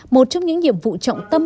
một trong những nhiệm vụ trọng tâm